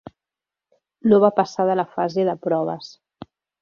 No va passar de la fase de proves.